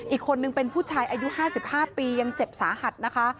อีกคนนึงเป็นผู้ชายอายุ๕๕ปียังเจ็บสาหัสนะคะ